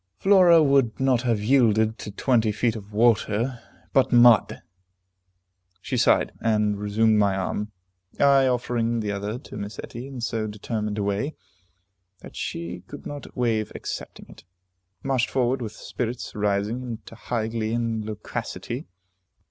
Flora would not have yielded to twenty feet of water, but mud! She sighed, and resumed my arm. I, offering the other to Miss Etty in so determined a way, that she could not waive accepting it, marched forward with spirits rising into high glee and loquacity.